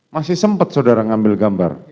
masih sempat saudara ngambil gambar